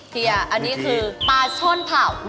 เฮียอันนี้คือปลาช่อนเผา